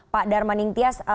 pak darman nintias